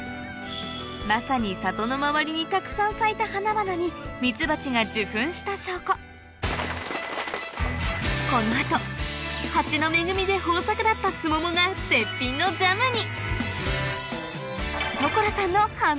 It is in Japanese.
まさに里の周りにたくさん咲いた花々にミツバチが受粉した証拠この後ハチの恵みで豊作だったスモモが絶品のジャムに！